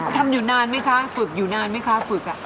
ทำอยู่นานไหมคะฝึกอยู่นานไหมคะฝึก